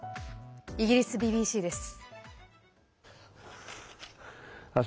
イギリスＢＢＣです。